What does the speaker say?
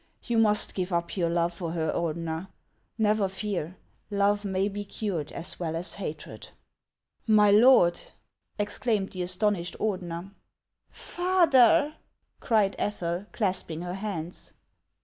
You must give up your love for her, Ordener. Never fear ; love may be cured as well as hatred." " My lord !" exclaimed the astonished Ordener. HANS OF ICELAND. 525 " Father !" cried Ethel, clasping her hands.